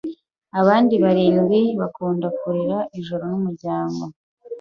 Abandi barindwi bakunda kurira ijoro numurango